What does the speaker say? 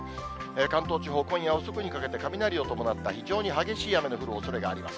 関東地方、今夜遅くにかけて、雷を伴った非常に激しい雨の降るおそれがあります。